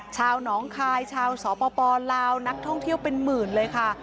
ชาวหนองคายชาวสปลาวนักท่องเที่ยวเป็นหมื่นเลยค่ะ